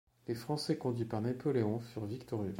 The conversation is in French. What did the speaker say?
Les Français conduits par Napoléon furent victorieux.